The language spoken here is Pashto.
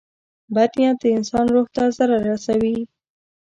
• بد نیت د انسان روح ته ضرر رسوي.